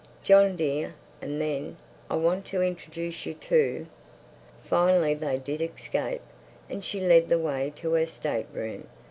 "John, dear!" And then: "I want to introduce you to—" Finally they did escape, and she led the way to her state room.